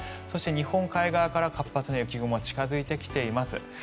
そして日本海側から活発な雪雲が近付いてきています。